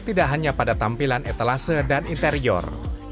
tidak hanya pada tampilan etalase dan interior